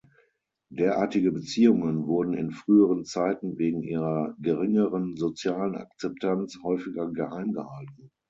Derartige Beziehungen wurden in früheren Zeiten wegen ihrer geringeren sozialen Akzeptanz häufiger geheim gehalten.